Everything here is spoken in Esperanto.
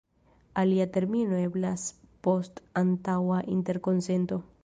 Alia termino eblas post antaŭa interkonsento.